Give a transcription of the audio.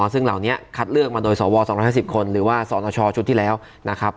ซึ่งเหล่านี้คัดเลือกมาโดยสว๒๕๐คนหรือว่าสนชชุดที่แล้วนะครับ